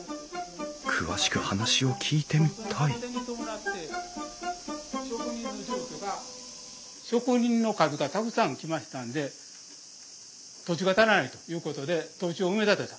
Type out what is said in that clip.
詳しく話を聞いてみたい職人の数がたくさん来ましたので土地が足らないということで土地を埋め立てた。